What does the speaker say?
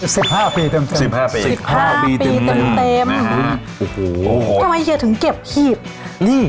ช่องแก่น่ะ๑๕ปีเต็ม๑๕ปีโทรมาเยอะถึงเก็บหีบนี่